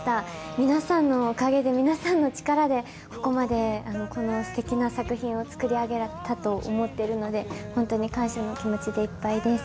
皆さんのおかげで、皆さんの力で、ここまで、このすてきな作品を作り上げられたと思っているので、本当に感謝の気持ちでいっぱいです。